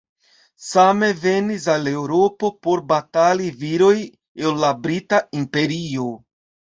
Same venis al Eŭropo por batali viroj el la Brita Imperio.